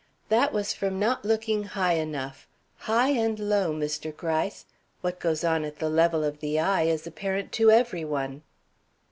"That was from not looking high enough. High and low, Mr. Gryce! What goes on at the level of the eye is apparent to every one."